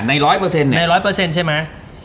ในร้อยเปอร์เซ็นต์ใช่ไหม